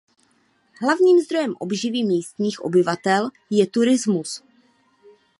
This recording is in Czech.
Hlavním zdrojem obživy místních obyvatel je turismus.